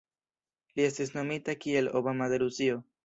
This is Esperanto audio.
Li estis nomita kiel "Obama de Rusio".